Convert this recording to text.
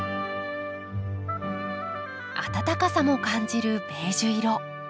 温かさも感じるベージュ色。